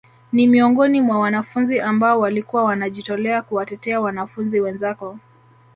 Ni miongoni mwa wanafunzi ambao walikuwa wanajitolea kuwatetea wanafunzi wenzako